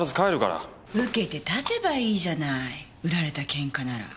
受けて立てばいいじゃない売られたケンカなら。